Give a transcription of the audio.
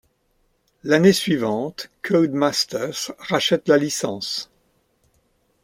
L'année suivante, Codemasters rachète la licence.